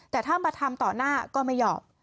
แต่ถ้ามาทำต่อหน้าก็ไม่ยอม